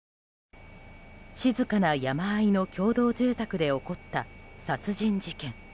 静かな山あいの共同住宅で起こった殺人事件。